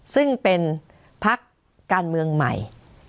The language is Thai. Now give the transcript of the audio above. ซึ่งเป็นพักการเมืองใหม่